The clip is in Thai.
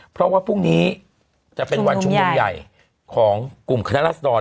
เพราะว่าพรุ่งนี้จะเป็นวันชุมนุมใหญ่ของกลุ่มคณะรัศดร